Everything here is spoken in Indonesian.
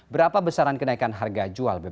berapa besaran kenaikan harga jual bbm